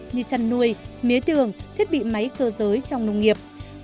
như chăn nuôi mía đường thiết bị máy cơ giới trong nông nghiệp